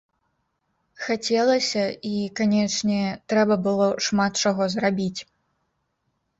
Хацелася і, канечне, трэба было шмат чаго зрабіць.